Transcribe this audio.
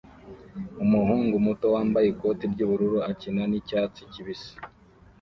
Umuhungu muto wambaye ikoti ry'ubururu akina nicyatsi kibisi